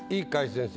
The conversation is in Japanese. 先生。